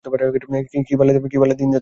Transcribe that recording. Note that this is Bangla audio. কি বালের দিন যাচ্ছে!